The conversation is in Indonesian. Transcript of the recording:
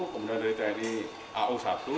kemudian dari tni au satu